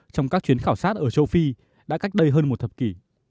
trong các chuyến khảo sát ở châu phi đã cách đây hơn một thập kỷ